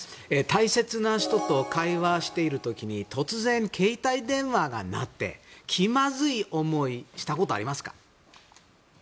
大切な人と会話している時に突然、携帯電話が鳴って気まずい思いしたことありますか。